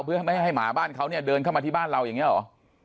เพื่อไม่ให้หมาบ้านเขาเนี่ยเดินเข้ามาที่บ้านเราอย่างนี้หรอ